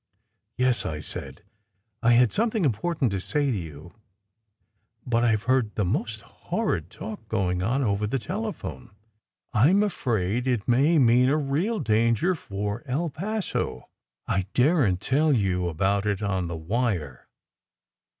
" "Yes," I said. "I had something important to say to you, but I ve heard the most horrid talk going on over the telephone. I m afraid it may mean a real danger for El Paso. I daren t tell you about it on the wire.